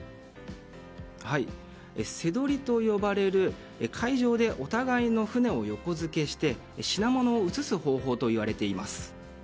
背取りと呼ばれる海上でお互いの船を横付けして品物を移す方法といわれています。